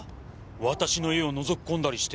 私の家をのぞき込んだりして。